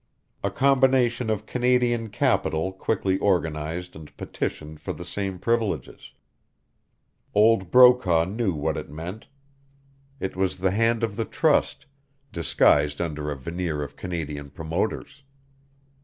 A combination of Canadian capital quickly organized and petitioned for the same privileges. Old Brokaw knew what it meant. It was the hand of the trust disguised under a veneer of Canadian promoters.